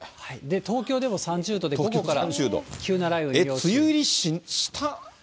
東京でも３２度で午後から急な雷雨が。